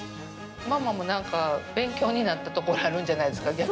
ママも何か勉強になったところあるんじゃないですか？